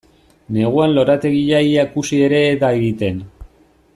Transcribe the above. Neguan lorategia ia ikusi ere e da egiten.